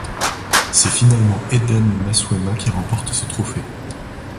C'est finalement Eden Massouema qui remporte ce trophée.